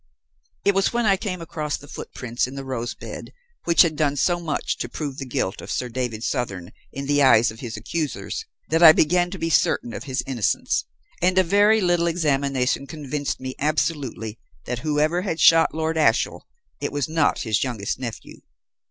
"It was when I came upon the footprints in the rose bed which had done so much to prove the guilt of Sir David Southern in the eyes of his accusers, that I began to be certain of his innocence; and a very little examination convinced me absolutely that whoever had shot Lord Ashiel it was not his youngest nephew.